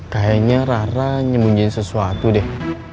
kayaknya rara nyembunyiin sesuatu deh